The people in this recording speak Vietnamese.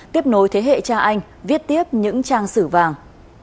tiếp nối thế hệ cha anh viết tiếp những trang sử vàng